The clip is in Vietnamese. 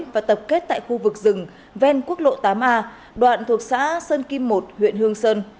và tập kết tại khu vực rừng ven quốc lộ tám a đoạn thuộc xã sơn kim một huyện hương sơn